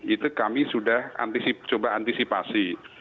itu kami sudah coba antisipasi